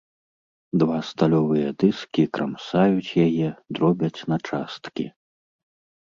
Два сталёвыя дыскі крамсаюць яе, дробяць на часткі.